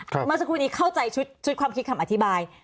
เมื่อสักครู่นี้เข้าใจชุดความคิดคำอธิบาย